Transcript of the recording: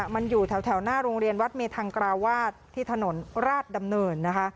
มันอยู่แถวหน้าโรงเรียนวัดเมธังกราวาสที่ถนนราชดำเนินนะคะ